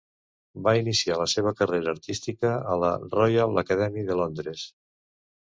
Va iniciar la seva carrera artística a la Royal Academy de Londres.